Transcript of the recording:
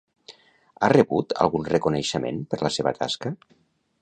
Ha rebut algun reconeixement per la seva tasca?